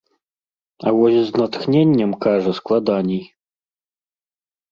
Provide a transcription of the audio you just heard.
А вось з натхненнем, кажа, складаней.